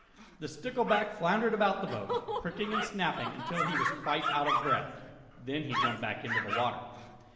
The stickleback floundered about the boat, pricking and snapping until he was quite out of breath. Then he jumped back into the water.